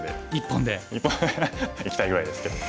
１本でいきたいぐらいですけど。